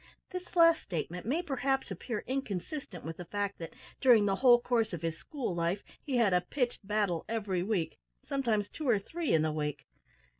This last statement may perhaps appear inconsistent with the fact that, during the whole course of his school life, he had a pitched battle every week sometimes two or three in the week.